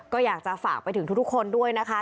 ก็อยากจะฝากไปถึงทุกคนด้วยนะคะ